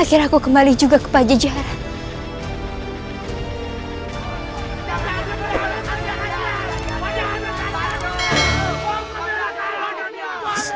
ngomong perbojoh nuri dan sebagai anak bui